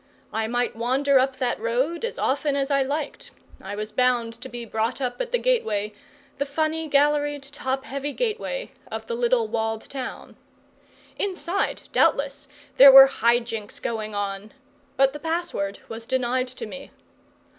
I might wander up that road as often as I liked, I was bound to be brought up at the gateway, the funny galleried, top heavy gateway, of the little walled town. Inside, doubtless, there were high jinks going on; but the password was denied to me.